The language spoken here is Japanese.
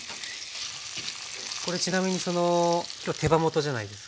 これちなみにその今日手羽元じゃないですか。